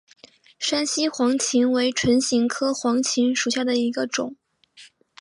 山西黄芩为唇形科黄芩属下的一个种。